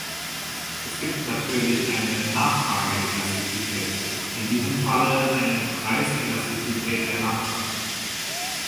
Es gibt natürlich eine Nachfrageelastizität, in diesem Falle eine Preiselastizität der Nachfrage.